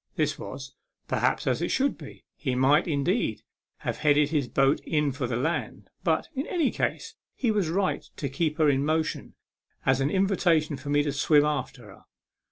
This was, perhaps, as it should be. He might, indeed, have headed his boat in for the land ; but, in any case, he was right to keep her in motion as an invitation to me to swim after her.